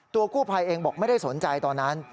กู้ภัยเองบอกไม่ได้สนใจตอนนั้น